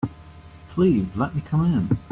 Please let me come in.